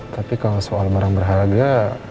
tapi kalau soal barang berharga